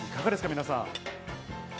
皆さん。